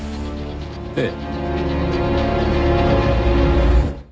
ええ。